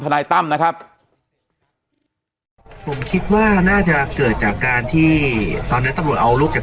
นายตั้มนะครับผมคิดว่าน่าจะเกิดจากการที่ตอนเนี้ยตำรวจเอาลูกจาก